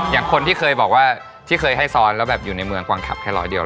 อย่างคนที่เคยบอกว่าที่เคยให้ซ้อนแล้วแบบอยู่ในเมืองกวางขับแค่ร้อยเดียว